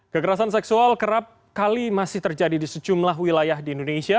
kekerasan seksual kerap kali masih terjadi di sejumlah wilayah di indonesia